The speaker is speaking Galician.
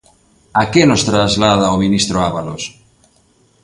¡A que nos traslada o ministro Ábalos!